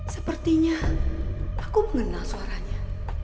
sepertinya aku mengenal suaranya